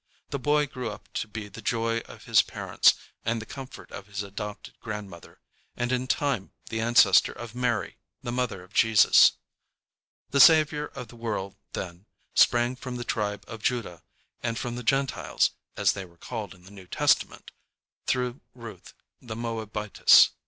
The boy grew up to be the joy of his parents and the comfort of his adopted grandmother, and in time the ancestor of Mary the mother of Jesus. [Illustration: DAVID, GRANDSON OF THE SON OF RUTH.] The Saviour of the world, then, sprang from the tribe of Judah, and from the Gentiles, as they are called in the New Testament, through Ruth the Moabitess.